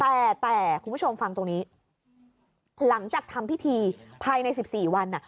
แต่แต่คุณผู้ชมฟังตรงนี้หลังจากทำพิธีภายใน๑๔วัน